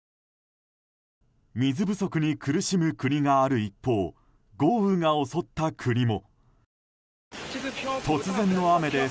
水不足に苦しむ国がある一方豪雨が襲った国も。